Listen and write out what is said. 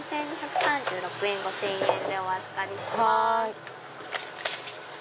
４２３６円５０００円でお預かりします。